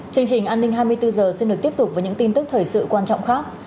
chương trình an ninh hai mươi bốn h xin được tiếp tục với những tin tức thời sự quan trọng khác